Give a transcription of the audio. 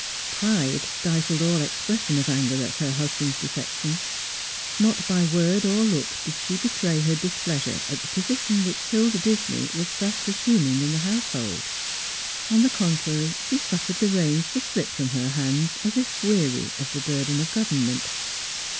Pride stifled all expression of anger at her husband's defection. Not by word or look did she betray her displeasure at the posi tion which Hilda Disney was fast assuming in the household. On the contrary, she sufi'ered the reins to slip from her hands aa if weary of the burden of government.